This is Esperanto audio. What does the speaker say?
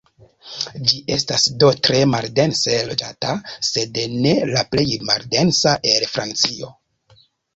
Ĝi estas do tre maldense loĝata, sed ne la plej maldensa el Francio.